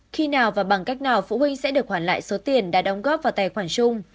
khi nào và bằng cách nào phụ huynh sẽ được hoàn lại số tiền đã đóng góp vào tài khoản chung